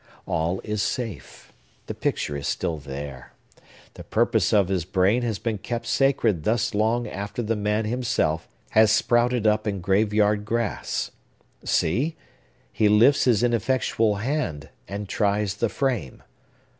All is safe. The picture is still there. The purpose of his brain has been kept sacred thus long after the man himself has sprouted up in graveyard grass. See! he lifts his ineffectual hand, and tries the frame.